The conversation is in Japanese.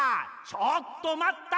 ちょっとまった！